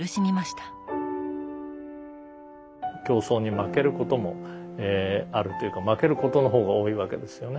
競争に負けることもあるというか負けることの方が多いわけですよね。